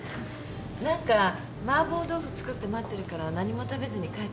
なんか「麻婆豆腐作って待ってるから何も食べずに帰って来い」って。